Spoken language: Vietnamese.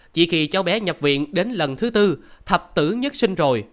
chỉ khi cháu bé nhập viện đến lần thứ tư thập tử nhất sinh rồi